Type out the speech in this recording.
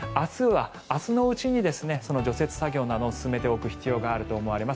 明日のうちに除雪作業などを進めておく必要があると思います。